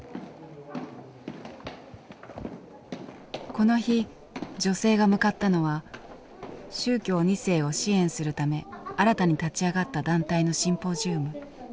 この日女性が向かったのは宗教２世を支援するため新たに立ち上がった団体のシンポジウム。